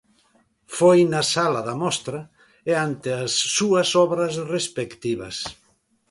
Foi na sala da mostra, e ante as súas obras respectivas.